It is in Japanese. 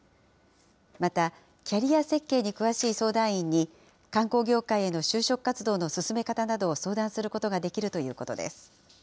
またキャリア設計に詳しい相談員に、観光業界への就職活動の進め方などを相談することができるということです。